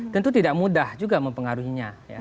tentu tidak mudah juga mempengaruhinya